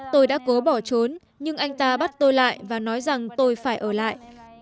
tôi đã cố bỏ trốn nhưng anh ta bắt tôi lại và nói rằng tôi phải ở lại